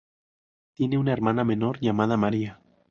Tiene una hermana menor llamada María.